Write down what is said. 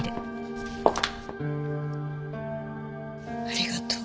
ありがとう。